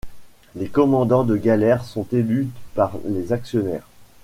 Les commandants de galères sont élus par les actionnaires.